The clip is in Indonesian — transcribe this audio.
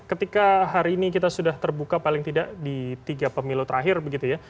ketika hari ini kita sudah terbuka paling tidak di tiga pemilu terakhir begitu ya